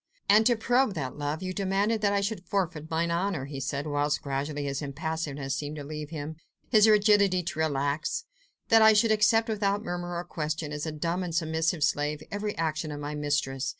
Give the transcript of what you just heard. "And to probe that love, you demanded that I should forfeit mine honour," he said, whilst gradually his impassiveness seemed to leave him, his rigidity to relax; "that I should accept without murmur or question, as a dumb and submissive slave, every action of my mistress.